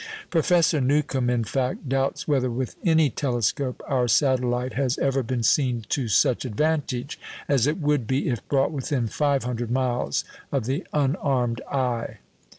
Professor Newcomb, in fact, doubts whether with any telescope our satellite has ever been seen to such advantage as it would be if brought within 500 miles of the unarmed eye.